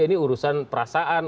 ini urusan perasaan